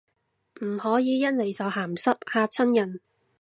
唔可以一嚟就鹹濕，嚇親人